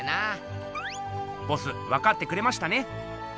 ボスわかってくれましたね？